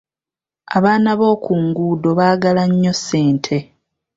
Abaana b’oku nguundo baagala nnyo ssente.